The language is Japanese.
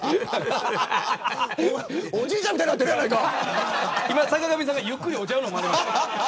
おじいちゃんみたいになってるやないか。